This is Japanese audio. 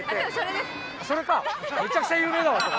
それか。